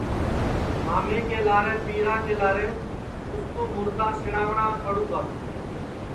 مامے کے لارے پیرا کے لارے اُس کوُ مُردا سِڑاٹؔا پڑوںگا